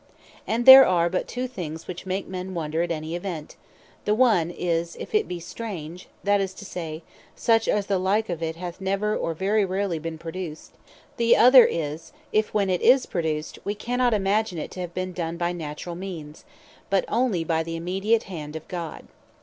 And there be but two things which make men wonder at any event: The one is, if it be strange, that is to say, such, as the like of it hath never, or very rarely been produced: The other is, if when it is produced, we cannot imagine it to have been done by naturall means, but onely by the immediate hand of God.